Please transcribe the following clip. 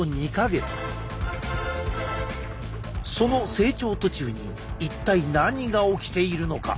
その成長途中に一体何が起きているのか。